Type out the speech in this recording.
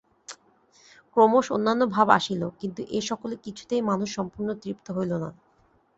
ক্রমশ অন্যান্য ভাব আসিল, কিন্তু এ-সকলে কিছুতেই মানুষ সম্পূর্ণ তৃপ্ত হইল না।